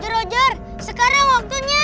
roger sekarang waktunya